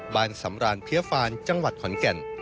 สำรานเพี้ยฟานจังหวัดขอนแก่น